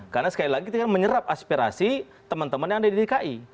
karena sekali lagi itu menyerap aspirasi teman teman yang ada di dki